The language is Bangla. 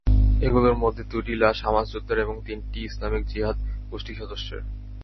এগুলোর মধ্যে দুটি লাশ হামাস যোদ্ধার এবং তিনটি ইসলামিক জিহাদ গোষ্ঠী সদস্যের।